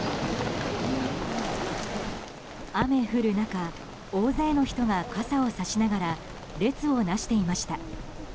雨降る中大勢の人が傘をさしながら列をなしていました。